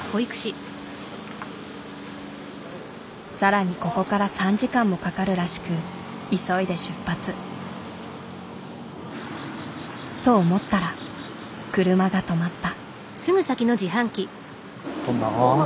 更にここから３時間もかかるらしく急いで出発。と思ったら車が止まった。